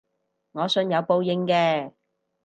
我信有報應嘅